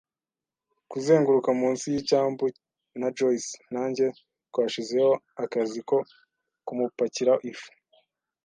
kuzenguruka munsi yicyambu, na Joyce nanjye twashizeho akazi ko kumupakira ifu